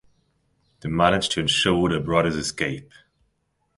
They managed to ensure their brothers escape.